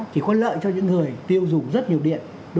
chỉ có lợi cho những người tiêu dùng rất nhiều điện